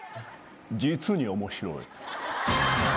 実に面白い。